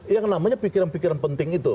yang namanya pikiran pikiran penting itu